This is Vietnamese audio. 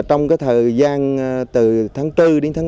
trong cái thời gian từ tháng bốn đến tháng tám